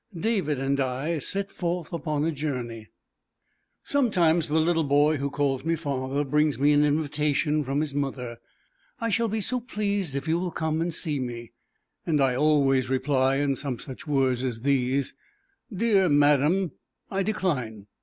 David and I Set Forth Upon a Journey Sometimes the little boy who calls me father brings me an invitation from his mother: "I shall be so pleased if you will come and see me," and I always reply in some such words as these: "Dear madam, I decline."